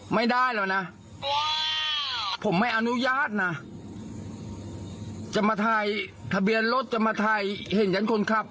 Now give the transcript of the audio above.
ไม่ได้แล้วนะผมไม่อนุญาตนะจะมาถ่ายทะเบียนรถจะมาถ่ายเห็นชั้นคนขับ